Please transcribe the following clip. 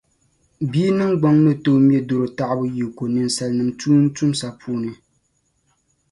Bia niŋgbuŋ ni tooi mɛ doro taɣibu yiko ninsalnim tuuntumsa puuni.